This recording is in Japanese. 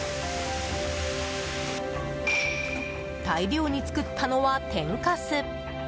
大量に作ったのは、天かす。